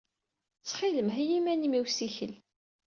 Ttxil-m heyyi iman-im i usikel.